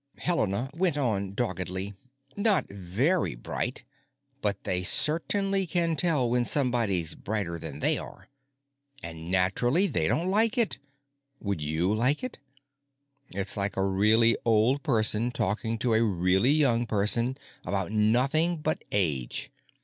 Helena went on doggedly, "——not very bright, but they certainly can tell when somebody's brighter than they are. And naturally they don't like it. Would you like it? It's like a really old person talking to a really young person about nothing but age.